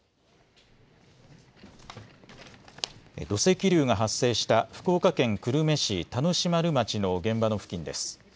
土石流が発生した福岡県久留米市田主丸町の現場の付近です。